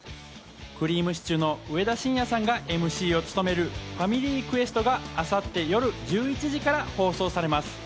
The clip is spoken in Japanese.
くりぃむしちゅーの上田晋也さんがＭＣを務める『ファミリークエスト』が明後日夜１１時から放送されます。